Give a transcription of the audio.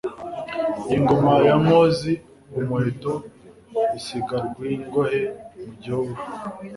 Iyi ngoma ya Nkoz-umuheto Isiga Rwingohe mu gihuru.